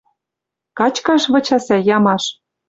Качкаш выча сӓй, ямаш...»